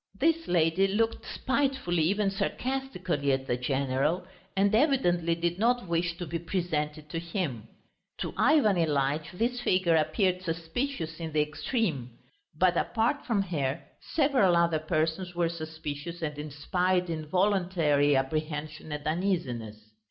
This lady looked spitefully, even sarcastically, at the general, and evidently did not wish to be presented to him. To Ivan Ilyitch this figure appeared suspicious in the extreme. But apart from her, several other persons were suspicious and inspired involuntary apprehension and uneasiness.